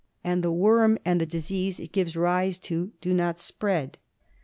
and the worm and the disease it gives rise to do not spread.